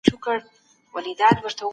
چا وویل چي شرم ښه دی؟